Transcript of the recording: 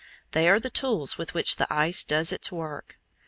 They are the tools with which the ice does its work.